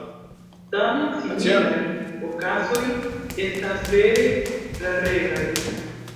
Tamen similaj okazoj estas vere raregaj.